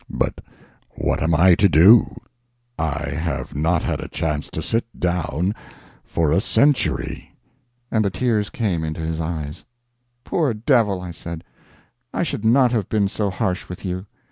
But what am I to do? I have not had a chance to sit down for a century." And the tears came into his eyes. "Poor devil," I said, "I should not have been so harsh with you.